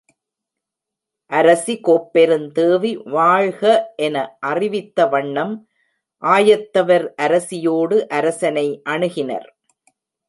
அரசி Kopperundevi வாழ்க என அறிவித்த வண்ணம் ஆயத்தவர் அரசி யோடு அரசனை அணுகினர்.